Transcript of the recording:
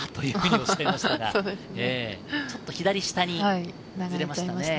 ちょっと左にずれましたね。